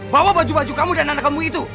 bawa baju baju kamu dan anak kamu itu